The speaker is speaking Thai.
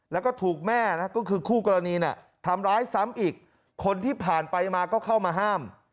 แล้วก็ถูกแม่นะก็คือคู่กรณีทำร้ายซ้ำอีกคนที่ผ่านไปมาก็เข้ามาห้าม